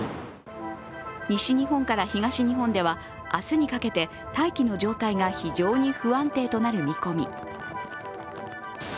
西日本から東日本では明日にかけて大気の状態が非常に不安定となる見込み。